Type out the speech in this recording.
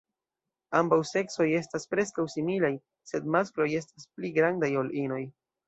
Ambaŭ seksoj estas preskaŭ similaj, sed maskloj estas pli grandaj ol inoj.